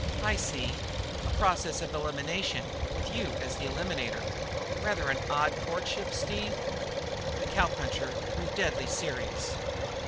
"I see. A process of elimination with you as the eliminator. Rather an odd courtship, Steve?" The cowpuncher grew deadly serious.